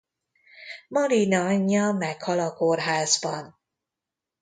Marina anyja meghal a kórházban.